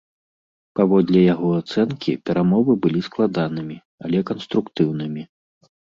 Паводле яго ацэнкі, перамовы былі складанымі, але канструктыўнымі.